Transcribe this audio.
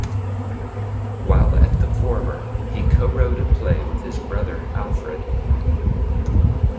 While at the former, he cowrote a play with his brother, Alfred.